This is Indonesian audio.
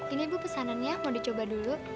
ini ibu pesanannya mau dicoba dulu